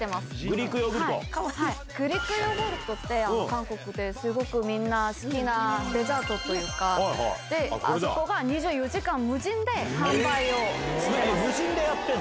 グリークヨーグルトって、韓国ですごくみんな好きなデザートというか、あそこが２４時間、無人でやってるの？